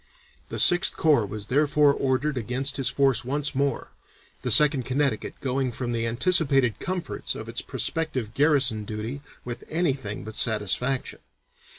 The Sixth Corps was therefore ordered against his force once more, the Second Connecticut going from the anticipated comforts of its prospective garrison duty with anything but satisfaction.